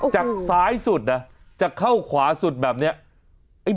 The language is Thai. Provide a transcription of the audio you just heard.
จากซ้ายสุดนะจะเข้าขวาสุดแบบนี้